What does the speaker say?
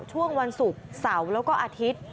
ช่วงวันศุกร์เสาร์แล้วก็อาทิตย์